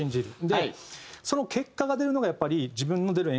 でその結果が出るのがやっぱり。